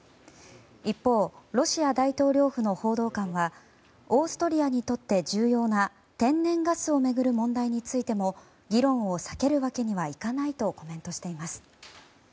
一方、ロシア大統領府の報道官はオーストリアにとって重要な天然ガスを巡る問題についても議論を避けるわけにはいかないとコメントしています。